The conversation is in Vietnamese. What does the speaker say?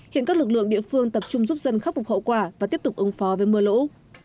hiện các lực lượng địa phương tập trung giúp dân khắc phục hậu quả và tiếp tục ứng phó với mưa lũ